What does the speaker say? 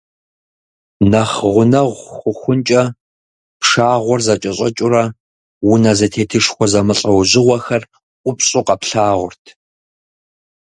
Нэхъ гъунэгъу хъухункӏэ, пшагъуэр зэкӏэщӏэкӏыурэ, унэ зэтетышхуэхэ зэмылӏэужьыгъуэхэр упщӏу къэплъагъурт.